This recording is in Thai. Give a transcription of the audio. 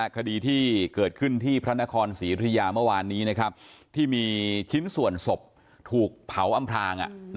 คดีที่เกิดขึ้นที่พระนครศรีอุทยาเมื่อวานนี้ที่มีชิ้นส่วนศพถูกเผาอำพลาง